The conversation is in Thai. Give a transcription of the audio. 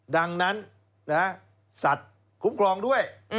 ดังนั้นสัตว์คุ้มครองด้วย